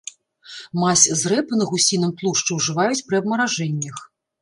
Мазь з рэпы на гусіным тлушчы ўжываюць пры абмаражэннях.